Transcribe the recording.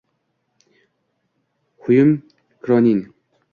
Hyum Kronin